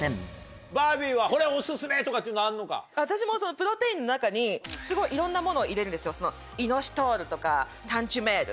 私もプロテインの中にすごいいろんなものを入れるんですよ。とか。